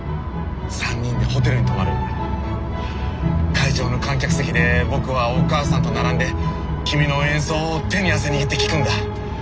会場の観客席で僕はお母さんと並んで君の演奏を手に汗握って聴くんだ。